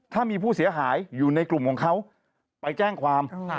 ถ้ามีผู้เสียหายอยู่ในกลุ่มของเขาไปแจ้งความ